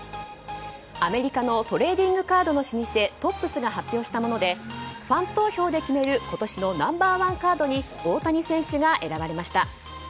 アメリカのトレーディングカードの老舗Ｔｏｐｐｓが発表したもので、ファン投票で決める今年のナンバー１カードで大谷選手が選ばれました。